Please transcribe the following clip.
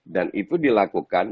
dan itu dilakukan